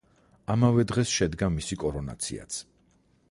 ამავე დღეს შედგა მისი კორონაციაც.